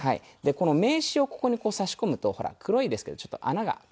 この名刺をここに差し込むとほら黒いですけどちょっと穴があるの見えると。